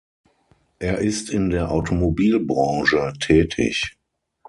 Er ist in der Automobilbranche tätig.